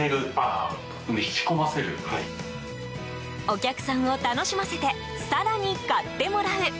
お客さんを楽しませて更に買ってもらう。